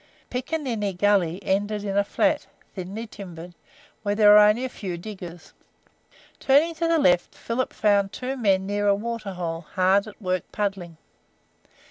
Picaninny Gully ended in a flat, thinly timbered, where there were only a few diggers. Turning to the left, Philip found two men near a waterhole hard at work puddling.